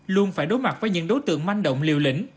luôn phải đối mặt với những đối tượng manh động liều lĩnh